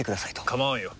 構わんよ。